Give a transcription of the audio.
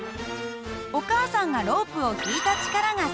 お母さんがロープを引いた力が作用。